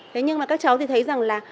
thế nhưng mà các cháu thì thấy rằng là